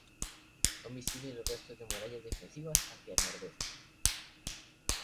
Son visibles los restos de murallas defensivas hacia el nordeste.